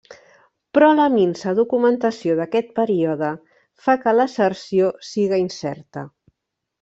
Però la minsa documentació d'aquest període fa que l'asserció siga incerta.